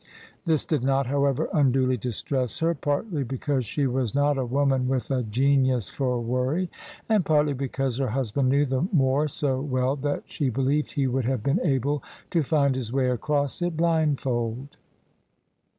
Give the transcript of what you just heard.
This did not, however, unduly distress her, partly because she was not a woman with a genius for worry, and partly because her husband knew the moor so well that she believed he would have been able to find his way across it blindfold.